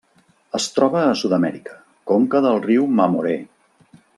Es troba a Sud-amèrica: conca del riu Mamoré.